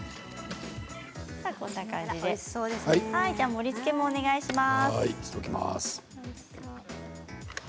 盛りつけもお願いします。